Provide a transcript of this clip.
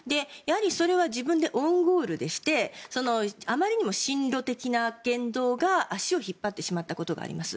それは自分でオウンゴールでしてあまりにも親ロ的な言動が足を引っ張ってしまったことがあります。